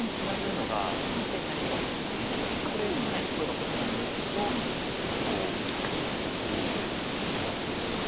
ここで白がこちらに打つとこうケイマする手がありまして。